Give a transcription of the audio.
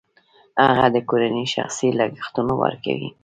هغه د کورنۍ شخصي لګښتونه ورکوي